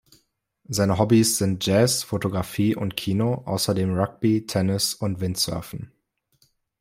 Seine Hobbys sind Jazz, Fotografie und Kino, außerdem Rugby, Tennis und Windsurfen.